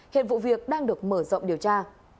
hiện vụ việc đang được mở rộng điều tra